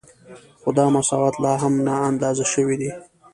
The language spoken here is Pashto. خو دا مساوات لا هم نااندازه شوی دی